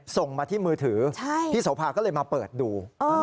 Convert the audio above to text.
ส่งมาที่มือถือพี่โสภาก็เลยมาเปิดดู